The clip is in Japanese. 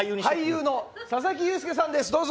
俳優の佐々木優介さんです。